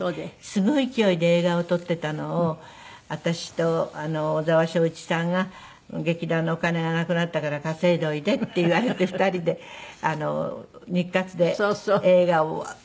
すごい勢いで映画を撮っていたのを私と小沢昭一さんが「劇団のお金がなくなったから稼いでおいで」って言われて２人で日活で映画を。